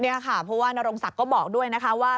เพราะว่านรงศักดิ์ก็บอกด้วยนะคะว่า